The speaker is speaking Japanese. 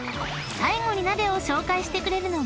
［最後に鍋を紹介してくれるのは？］